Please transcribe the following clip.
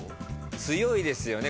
強いですよね